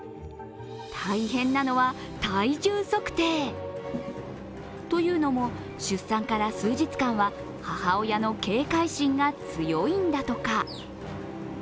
大変なのは体重測定。というのも、出産から数日間は母親の警戒心が強いんだとか。